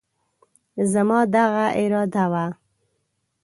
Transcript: زما دغه اراده وه،